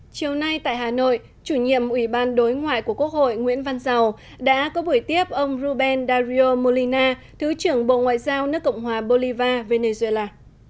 chiều nay tại hà nội chủ nhiệm ủy ban đối ngoại của quốc hội nguyễn văn giàu đã có buổi tiếp ông ruben dario molina thứ trưởng bộ ngoại giao nước cộng hòa bolivar venezuela